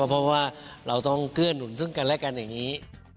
เพราะว่าเราต้องเกื้อหนุนซึ่งกันและกันอย่างนี้